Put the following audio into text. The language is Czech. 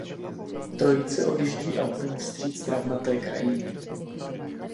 Trojice odjíždí autem vstříc travnaté krajině.